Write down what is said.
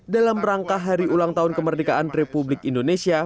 dalam rangka hari ulang tahun kemerdekaan republik indonesia